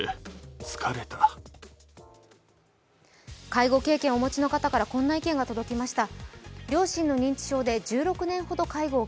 介護経験をお持ちの方から、こんな意見が届きました。